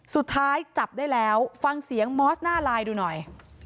สุดท้ายจับได้แล้วฟังเสียงมอสหน้าไลน์ดูหน่อย